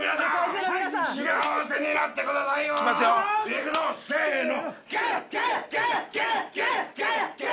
◆いくぞ、せえの！